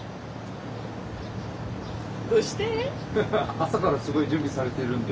朝からすごい準備されてるんで。